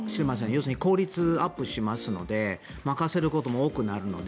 要するに効率アップしますので任せることも多くなるので。